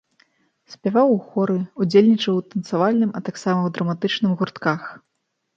Спяваў у хоры, удзельнічаў у танцавальным, а таксама ў драматычным гуртках.